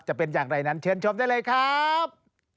จะเป็นอย่างไรนั้นเชิญชมได้เลยครับ